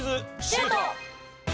シュート！